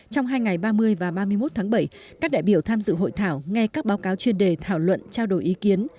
trong hai ngày ba mươi và ba mươi một tháng bảy các đại biểu tham dự hội thảo nghe các báo cáo chuyên đề thảo luận trao đổi ý kiến